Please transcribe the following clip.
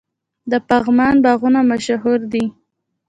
د پغمان باغونه مشهور دي.